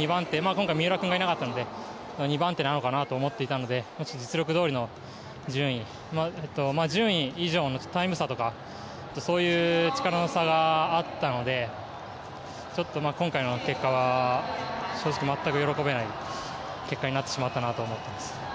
今回三浦君がいなかったので、２番手なのかなと思っていたんですが、実力通りの順位、順位以上のタイム差とかそういう力の差があったので今回の結果は正直全く喜べない結果になってしまったなと思っています。